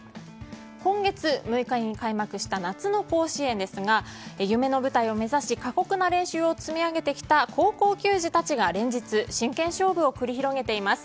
今月６日に開幕した夏の甲子園ですが夢の舞台を目指し過酷な練習を積み上げてきた高校球児たちが連日、真剣勝負を繰り広げています。